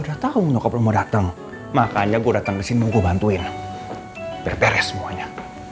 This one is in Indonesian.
udah tahu dokter mau datang makanya gue datang kesini mau gue bantuin beres beres semuanya